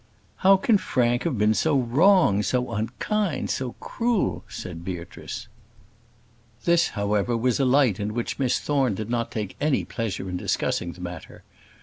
"How can Frank have been so wrong, so unkind, so cruel?" said Beatrice. This, however, was a light in which Miss Thorne did not take any pleasure in discussing the matter.